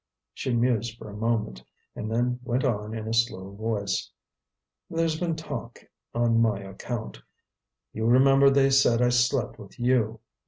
She mused for a moment, and then went on in a slow voice: "There's been talk on my account. You remember they said I slept with you.